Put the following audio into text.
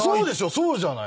そうじゃない。